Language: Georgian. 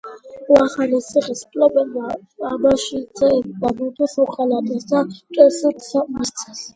ვახანის ციხის მფლობელმა აბაშიძეებმა მეფეს უღალატეს და მტერს გზა მისცეს.